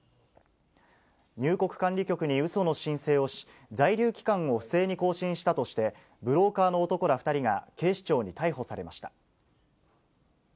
入国管理国にうその申請をし、在留期間を不正に更新したとして、ブローカーの男ら２人が警視庁に逮捕されました。